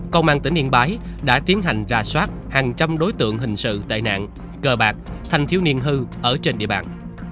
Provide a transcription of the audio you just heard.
công an tỉnh yên bái đã tiến hành ra soát hàng trăm đối tượng hình sự tệ nạn cờ bạc thanh thiếu niên hư ở trên địa bàn